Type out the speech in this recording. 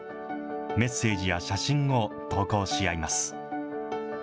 メッセージや写真を投稿し合います。